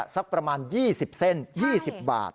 สักประมาณ๒๐เส้น๒๐บาท